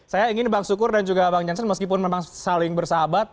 saya ingin bang sukur dan juga bang jansen meskipun memang saling bersahabat